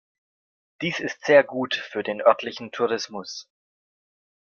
Dies ist sehr gut für den örtlichen Tourismus.